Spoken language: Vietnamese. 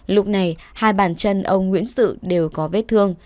lúc này hai bàn chân ông nguyễn sự đều có vết thương